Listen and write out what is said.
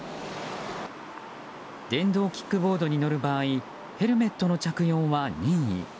電動キックボードに乗る場合ヘルメットの着用は任意。